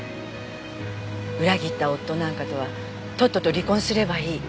裏切った夫なんかとはとっとと離婚すればいい。